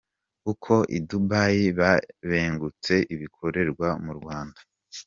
Uko i Dubai babengutse ibikorerwa mu Rwanda.